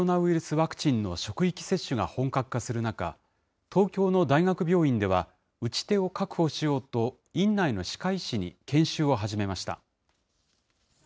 ワクチンの職域接種が本格化する中、東京の大学病院では、打ち手を確保しようと、院内の歯科医師に研修を始めました。